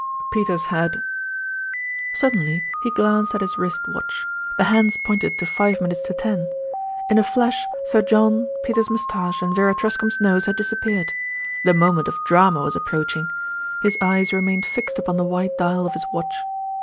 Peters had Suddenly he glanced at his wrist watch. The hands pointed to five minutes to ten. In a flash Sir John, Peters' moustache and Vera Truscombe's nose had dis appeared. The moment of drama was approaching. His eyes remained fixed upon the white dial of his watch.